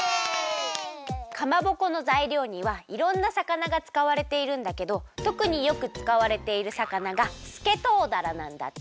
かまぼこのざいりょうにはいろんな魚がつかわれているんだけどとくによくつかわれている魚がすけとうだらなんだって！